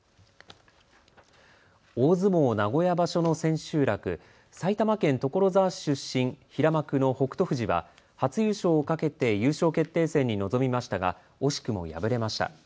大相撲名古屋場所の千秋楽、埼玉県所沢市出身、平幕の北勝富士は初優勝をかけて優勝決定戦に臨みましたが惜しくも敗れました。